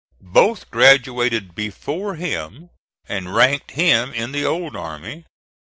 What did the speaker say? Both graduated before him and ranked him in the old army.